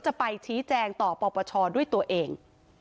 จะไปชี้แจงต่อปปชด้วยตัวเอง